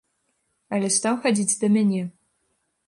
Але стаў хадзіць да мяне.